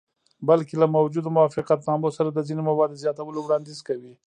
بلکې له موجودو موافقتنامو سره د ځینو موادو زیاتولو وړاندیز کوي.